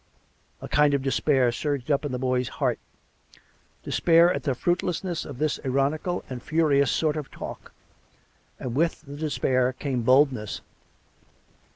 A kind of despair surged up in the boy's heart — despair at the fruitlessness of this ironical and furious sort of talk; and with the despair came boldness.